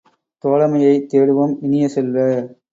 தோழமையைத் தேடுவோம் இனிய செல்வ!